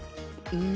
うん！